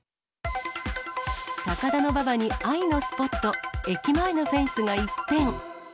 高田馬場に愛のスポット、駅前のフェンスが一変。